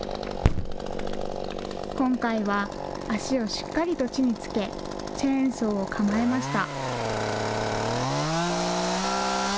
今回は、足をしっかりと地につけ、チェーンソーを構えました。